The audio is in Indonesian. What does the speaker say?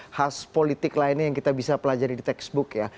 khas politik lainnya yang kita bisa pelajari di textbook ya